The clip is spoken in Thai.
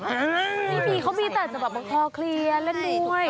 มีเขามีแต่จะพอเคลียร์เล่นด้วย